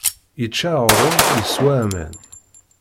Yečča aɣrum, yeswa aman.